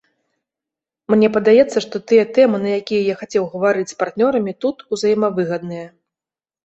Мне падаецца, што тыя тэмы, на якія я хацеў гаварыць з партнёрамі тут, узаемавыгадныя.